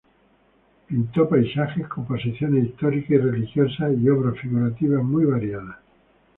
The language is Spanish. Pintó paisajes, composiciones históricas y religiosas y obras figurativas muy variadas.